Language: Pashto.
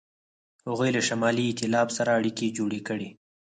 هغوی له شمالي ایتلاف سره اړیکې جوړې کړې.